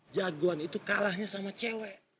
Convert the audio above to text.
jagoan itu kalahnya sama cewek